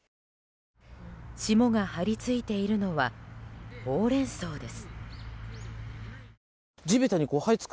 霜が張り付いているのはホウレンソウです。